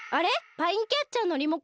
パインキャッチャーのリモコン